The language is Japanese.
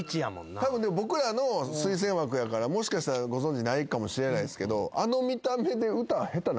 僕らの推薦枠やからもしかしたらご存じないかもしれないっすけど。